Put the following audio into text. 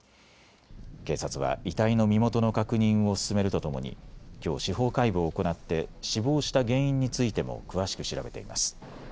警察は遺体の身元の確認を進めるとともにきょう司法解剖を行って死亡した原因についても詳しく調べています。